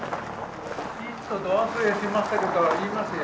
ちいっとど忘れしましたけど言いますよ。